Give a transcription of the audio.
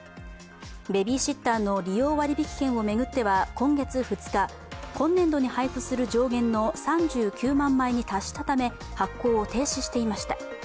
ベビーシッターの利用割引券を巡っては今月２日今年度に配布する上限の３９万枚に達したため発行を停止していました。